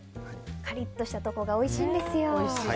カリッとしたところがおいしいんですよ。